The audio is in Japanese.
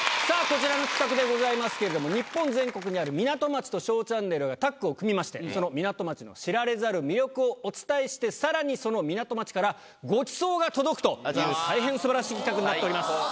さぁこちらの企画でございますけれども日本全国にある港町と『ＳＨＯＷチャンネル』がタッグを組みましてその港町の知られざる魅力をお伝えしてさらにその港町からごちそうが届くという大変素晴らしい企画になっております。